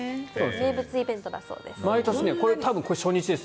名物イベントだそうです。